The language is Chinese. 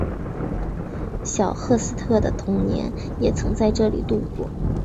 小赫斯特的童年也曾在这里度过。